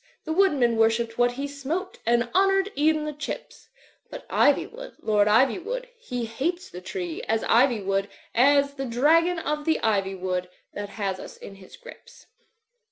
The woodmaa worshipped what he smote And honoured even the chips. But Ivywood, Lord Ivywood, He hates the tree as ivy would. As the dragon of the ivy would. That has us in his grips."